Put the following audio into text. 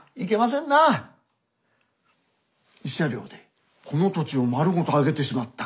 慰謝料でこの土地を丸ごとあげてしまった。